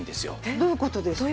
どういう事ですか？